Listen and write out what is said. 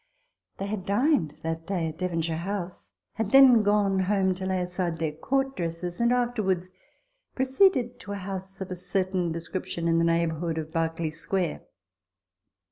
* They had dined that day at Devonshire House, had then gone home to lay aside their Court dresses, and afterwards proceeded to a house of a certain description in the neighbour hood of Berkeley Square.